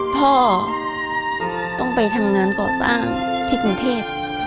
พ่อต้องไปทำงานก่อสร้างที่กรุงเทพ